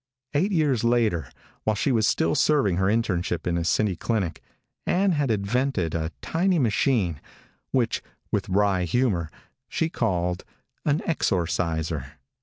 Eight years later, while she was still serving her internship in a city clinic, Ann had invented the tiny machine which, with wry humor, she called an Exorciser.